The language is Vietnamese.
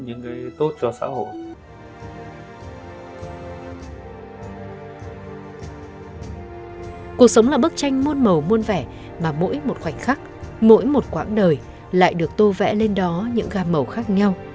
cuộc sống là bức tranh muôn màu muôn vẻ mà mỗi một khoảnh khắc mỗi một quãng đời lại được tô vẽ lên đó những gam màu khác nhau